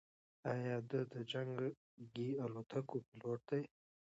ایا ده د جنګي الوتکو پیلوټ دی؟